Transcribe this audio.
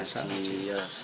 ngaji apa itu pak